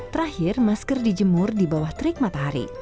terakhir masker dijemur di bawah terik matahari